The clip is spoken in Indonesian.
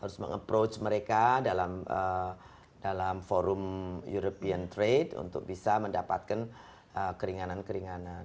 harus menganggap mereka dalam forum perusahaan eropa untuk bisa mendapatkan keringanan keringanan